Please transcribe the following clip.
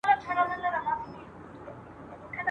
نن سهار له کندهار څخه ,